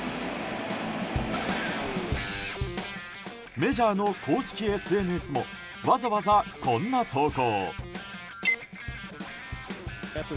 メジャーの公式ＳＮＳもわざわざ、こんな投稿。